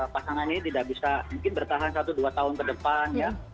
pasangan ini tidak bisa mungkin bertahan satu dua tahun ke depan ya